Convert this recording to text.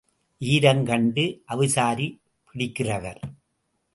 ஈரம் கண்டு அவிசாரி பிடிக்கிறவர்.